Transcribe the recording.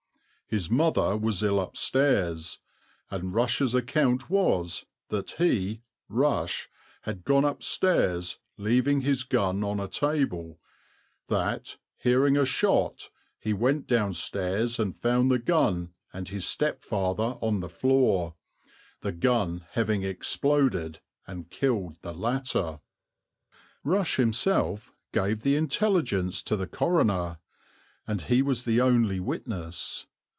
His mother was ill upstairs, and Rush's account was that he (Rush) had gone upstairs, leaving his gun on a table; that, hearing a shot, he went downstairs and found the gun and his stepfather on the floor, the gun having exploded and killed the latter." Rush himself gave the intelligence to the coroner, and he was the only witness.